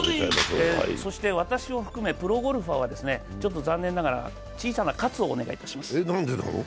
そして私を含めプロゴルファーは残念ながら小さな喝をお願いします。